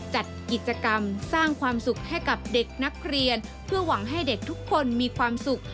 จัดกิจกรรมสร้างความสุขให้กับเด็กนักเรียนเพื่อหวังให้เด็กทุกคนมีความสุข